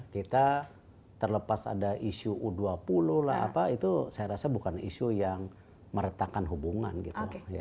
kita terlepas ada isu u dua puluh lah apa itu saya rasa bukan isu yang meretakan hubungan gitu